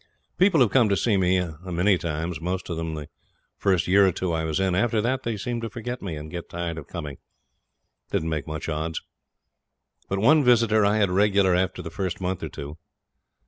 People have come to see me a many times, most of them the first year or two I was in. After that they seemed to forget me, and get tired of coming. It didn't make much odds. But one visitor I had regular after the first month or two.